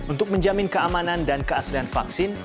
untuk menjamin keamanan dan keaslian vaksin